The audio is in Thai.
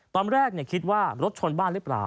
ตอนแรกคิดว่ารถชนบ้านหรือเปล่า